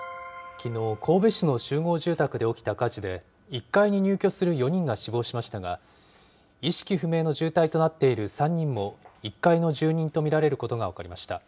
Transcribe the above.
きのう、神戸市の集合住宅で起きた火事で、１階に入居する４人が死亡しましたが、意識不明の重体となっている３人も、１階の住人と見られることが分かりました。